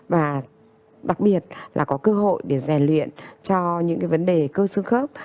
và đặc biệt là có cơ hội để rèn luyện cho những cái vấn đề cơ xương khớp